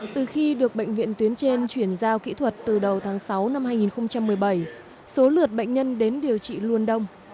từ khi được bệnh viện tuyến trên chuyển giao kỹ thuật từ đầu tháng sáu năm hai nghìn một mươi bảy số lượt bệnh nhân đến điều trị luôn đông